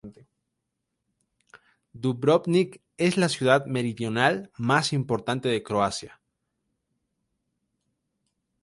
Dubrovnik es la ciudad meridional más importante de Croacia.